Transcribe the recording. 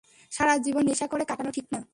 সারা জীবন নেশা করে কাটানো ঠিক না।